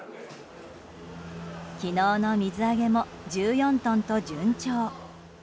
昨日の水揚げも１４トンと順調。